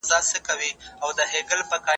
د اکمالاتو سلسله څنګه کار کوي؟